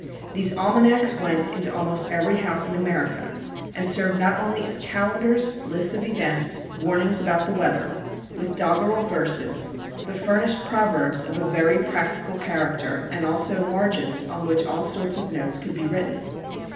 These almanacs went into almost every house in America, and served not only as calendars, lists of events, warnings about the weather, with doggerel verses, but furnished proverbs of a very practical character, and also margins on which all sorts of notes could be written.